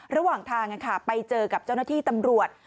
ระหว่างทางไปเจอกับเจ้าหน้าที่ตำรวจ